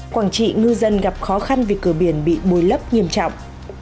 quảng trị ngư dân gặp khó khăn vì cửa biển bị bồi lấp nghiêm trọng